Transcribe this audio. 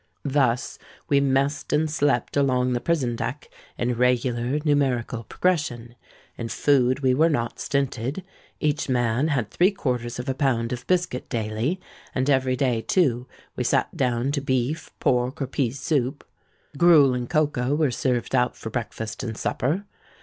Thus, we messed and slept along the prison deck in regular numerical progression. In food we were not stinted: each man had three quarters of a pound of biscuit daily; and every day, too, we sate down to beef, pork, or pease soup. Gruel and cocoa were served out for breakfast and supper.